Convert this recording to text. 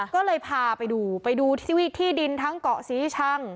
ก็เลยพาไปดูไปดูที่ที่ดินทั้งเกาะศรีชัง